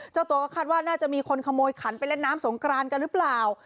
เจ้าตัวก็คาดว่าน่าจะมีคนขโมยขันไปเล่นน้ำสงกรานกันหรือเปล่า